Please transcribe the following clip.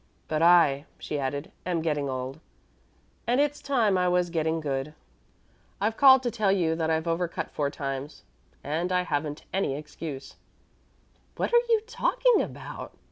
"But I," she added, "am getting old, and it's time I was getting good. I've called to tell you that I've over cut four times, and I haven't any excuse." "What are you talking about?"